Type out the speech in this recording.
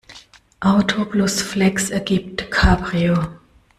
Auto plus Flex ergibt Cabrio.